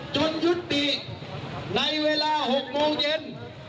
จนยุดดิในเวลาหกโมงเย็น